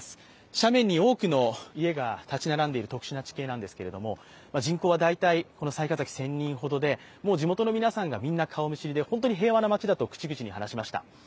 斜面に多くの家が立ち並んでいる特殊な地形なんですけれども、人口は大体１０００人ほどで地元の皆さんが顔見知りで本当に平和な街だと口々に話しました。